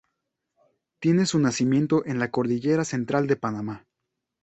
Tiene su nacimiento en la Cordillera Central de Panamá.